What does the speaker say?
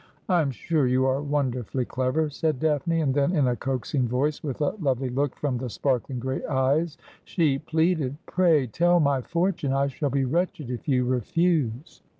' I am sure you are wonderfully clever,' said Daphne ; and then, in a coaxing voice, with a lovely look from the sparkling gray eyes, she pleaded :' Pray tell my fortune. I shall be wretched if you refuse.'